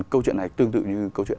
câu chuyện này tương tự như câu chuyện